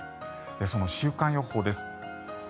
その週間予報です。